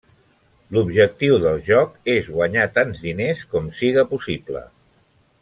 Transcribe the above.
L'objectiu del joc és guanyar tants diners com siga possible.